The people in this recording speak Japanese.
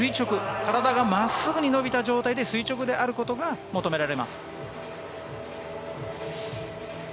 体が真っすぐに伸びた状態で垂直であることが求められます。